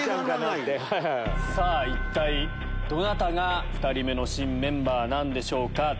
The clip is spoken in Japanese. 一体どなたが２人目の新メンバーなんでしょうか。